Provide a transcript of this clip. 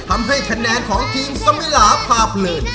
ทำให้คะแนนของทีมสมิลาพาเพลิน